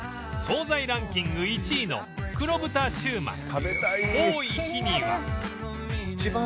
惣菜ランキング１位の黒豚シューマイ